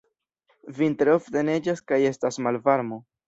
Vintre ofte neĝas kaj estas malvarmo.